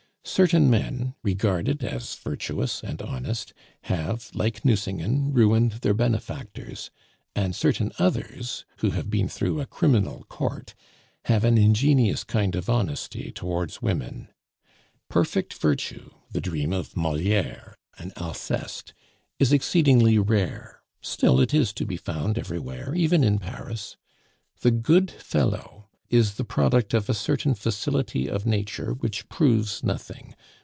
Certain men, regarded as virtuous and honest, have, like Nucingen, ruined their benefactors; and certain others, who have been through a criminal court, have an ingenious kind of honesty towards women. Perfect virtue, the dream of Moliere, an Alceste, is exceedingly rare; still, it is to be found everywhere, even in Paris. The "good fellow" is the product of a certain facility of nature which proves nothing.